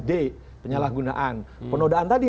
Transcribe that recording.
d penyalahgunaan penodaan tadi